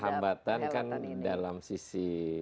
hambatan kan dalam sisi